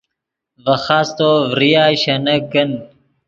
ڤے خاستو ڤریا شینک کن